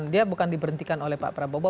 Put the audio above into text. dia bukan diberhentikan oleh pak prabowo